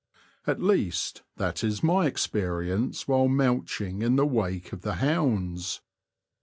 At least, that is my experience while mouching in the wake of the hounds.